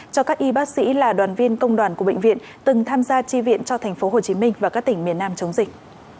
cho các y bác sĩ là đoàn viên công đoàn của bệnh viện từng tham gia tri viện cho thành phố hồ chí minh và các tỉnh miền nam chống dịch